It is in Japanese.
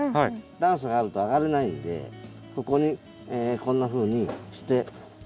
段差があると上がれないのでここにこんなふうにして。